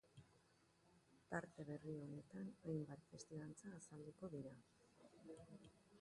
Tarte berri honetan hainbat testigantza azalduko dira.